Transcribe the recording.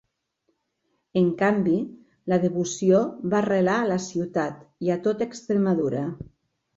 En canvi, la devoció va arrelar a la ciutat i a tot Extremadura.